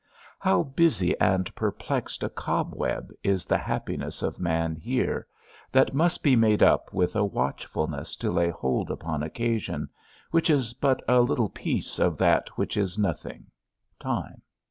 How busy and perplexed a cobweb is the happiness of man here, that must be made up with a watchfulness to lay hold upon occasion, which is but a little piece of that which is nothing, time?